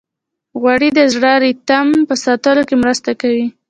غوړې د زړه د ریتم په ساتلو کې مرسته کوي.